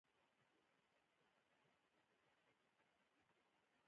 پراخه کچه مشترک شکل غورځولی.